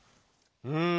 うん。